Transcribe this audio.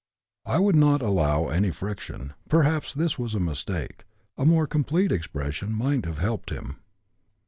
I would not allow any friction. Perhaps this was a mistake. A more complete expression might have helped him.